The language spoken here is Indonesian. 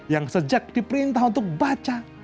yang sejak diperintah untuk baca